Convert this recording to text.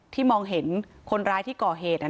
มองเห็นคนร้ายที่ก่อเหตุ